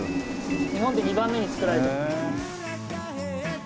日本で２番目に造られた。